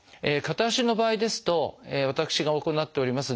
片足の場合ですと私が行っております